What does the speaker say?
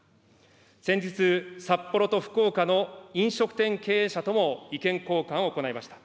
先日、札幌と福岡の飲食店経営者とも意見交換を行いました。